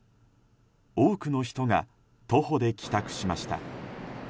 多くの人が徒歩で帰宅しました。